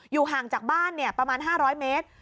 ห่างจากบ้านประมาณ๕๐๐เมตร